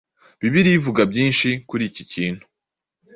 Bibiliya ivuga byinshi kuri iki kintu.